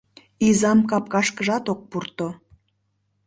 Изам капкашкыжат ок пурто.